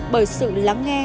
bởi sự lắng nghe